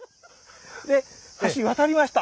で橋渡りました。